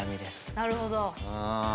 なるほど。